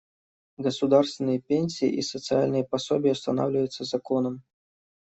Государственные пенсии и социальные пособия устанавливаются законом.